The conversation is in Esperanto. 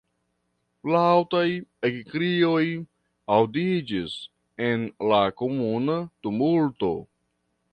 Laŭtaj ekkrioj aŭdiĝis en la komuna tumulto.